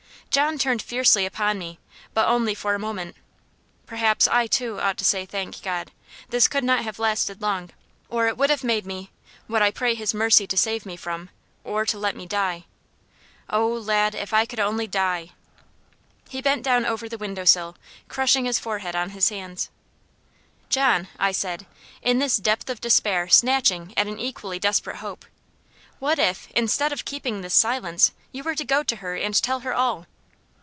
John turned fiercely upon me but only for a moment. "Perhaps I too ought to say, 'Thank God.' This could not have lasted long, or it would have made me what I pray His mercy to save me from, or to let me die. Oh, lad, if I could only die." He bent down over the window sill, crushing his forehead on his hands. "John," I said, in this depth of despair snatching at an equally desperate hope, "what if, instead of keeping this silence, you were to go to her and tell her all?"